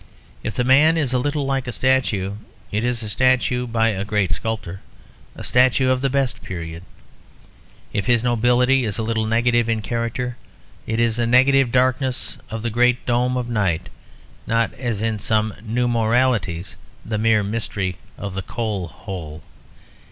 If the man is a little like a statue, it is a statue by a great sculptor; a statue of the best period. If his nobility is a little negative in its character, it is the negative darkness of the great dome of night; not as in some "new moralities" the mere mystery of the coal hole.